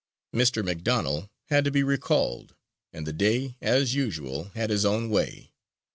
Mr. McDonell had to be recalled, and the Dey as usual had his own way.